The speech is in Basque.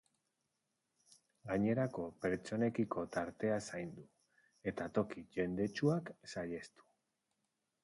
Gainerako pertsonekiko tartea zaindu, eta toki jendetsuak saihestu.